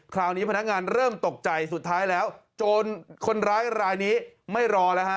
คราวนี้พนักงานเริ่มตกใจสุดท้ายแล้วโจรคนร้ายรายนี้ไม่รอแล้วฮะ